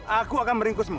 aku akan meringkusmu